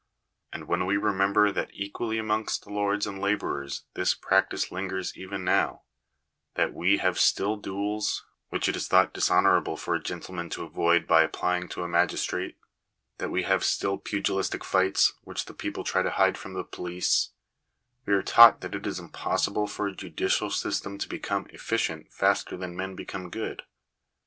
And when we remember that equally amongst lords and labourers this prac tice lingers even now — that we have still duels, which it is thought dishonourable for a gentleman to avoid by applying to a magistrate — that we have still pugilistic fights, which the people try to hide from the police — we are taught that it is impossible for a judicial system to become efficient faster than men become good.